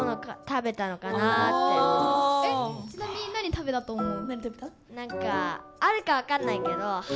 ちなみに何食べたと思う？